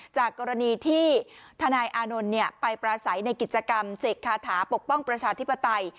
จากกรณีที่ทนายอานนท์ไปปราศัยในกิจกรรมเสกคาถาปกป้องประชาธิปไตย